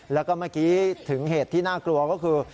แล้วก็เมื่อกี้ถึงเหตุที่น่ากลัวก็คือ